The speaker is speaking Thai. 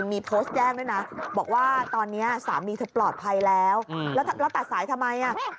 มีโพสต์แจ้งด้วยนะบอกว่าตอนนี้สามีเธอปลอดภัยแล้วแล้วตัดสายทำไมอ่ะ